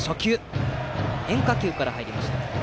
変化球から入りました。